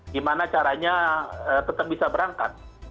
gimana caranya tetap bisa berangkat